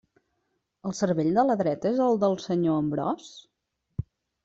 El cervell de la dreta és el del senyor Ambròs?